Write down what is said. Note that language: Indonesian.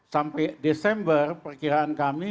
sampai desember perkiraan kami